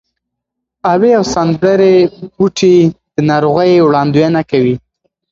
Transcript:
اوې او سمندري بوټي د ناروغۍ وړاندوینه کوي.